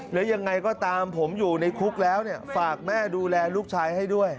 แล้วยังไงก็ตามผมอยู่ในคุกแล้วฝากแม่ดูแลลูกชายให้ด้วย